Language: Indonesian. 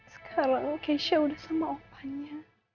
sekarang keisha udah sama opanya